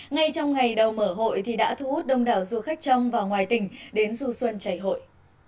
ngay trong ngày đầu mở hội thì đã thu hút đông đảo du khách trong và ngoài tỉnh đến du xuân chảy hội